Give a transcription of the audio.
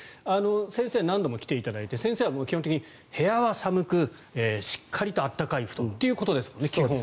先生、何度も来ていただいて先生は基本的に部屋は寒くしっかりと暖かい布団ということですもんね。